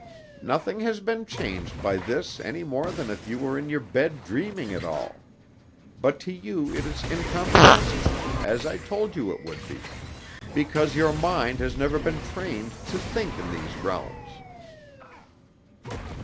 "Nothing has been changed by this any more than if you were in your bed dreaming it all. But to you it is incomprehensible, as I told you it would be, because your mind has never been trained to think in these realms."